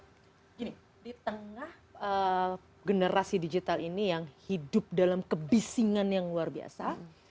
begini di tengah generasi digital ini yang hidup dalam kebisingan yang luar biasa